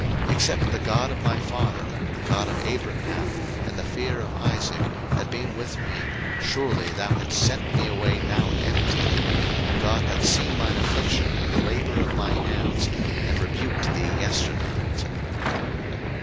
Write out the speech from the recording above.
01:031:042 Except the God of my father, the God of Abraham, and the fear of Isaac, had been with me, surely thou hadst sent me away now empty. God hath seen mine affliction and the labour of my hands, and rebuked thee yesternight.